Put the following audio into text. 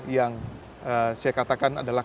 yang saya katakan adalah